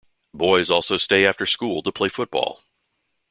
Boys also stay after school to play football.